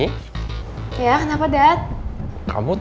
kamu tau dari mana kalau cake itu triple chocolate